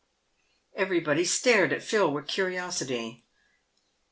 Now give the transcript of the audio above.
Everybody stared at Phil with curiosity.